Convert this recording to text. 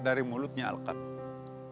dari mulutnya alqama